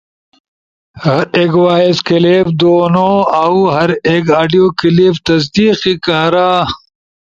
ہر ایک وائس کلپ دونوا، اؤ ہر ایک آڈیو کلپ تصدیقی کار